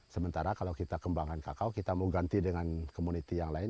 sementara kalau kita kembangkan kakao kita mau ganti dengan komuniti yang lain